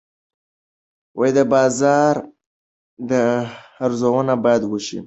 د بازار ارزونه باید وشي.